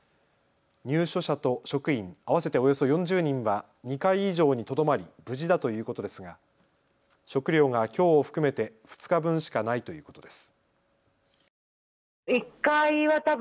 入所者と職員合わせておよそ４０人は２階以上にとどまり無事だということですが食料がきょうを含めて２日分しかないということです。